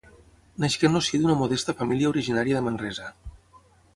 Nasqué en el si d'una modesta família originària de Manresa.